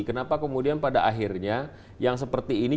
kenapa kemudian pada akhirnya yang seperti ini